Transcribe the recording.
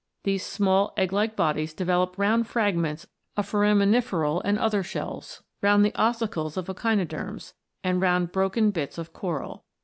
These small egg like bodies develop round fragments of foraminiferal and other shells, round the ossicles of echinoderms, and round broken bits of coral.